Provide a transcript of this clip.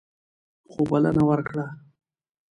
خو بلنه ورکړه.